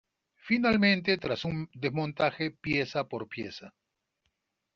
Finalmente tras un desmontaje pieza por pieza.